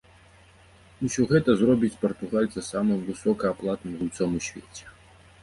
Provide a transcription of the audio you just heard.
Усё гэта зробіць партугальца самым высокааплатным гульцом у свеце.